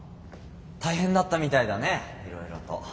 大変だったみたいだねいろいろと。